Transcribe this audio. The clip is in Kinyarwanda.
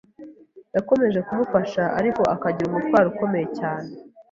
yakomeje kumufasha, ariko akagira umutwaro ukomeye cyane